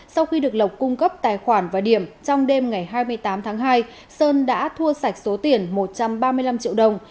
sau khi được lộc cung cấp tài khoản và điểm trong đêm ngày hai mươi tám tháng hai sơn đã thua sạch số tiền một trăm ba mươi năm triệu đồng